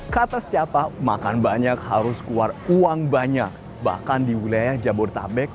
kata siapa makan banyak harus keluar uang banyak bahkan di wilayah jabodetabek